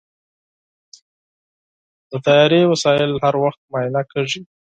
د طیارې وسایل هر وخت معاینه کېږي.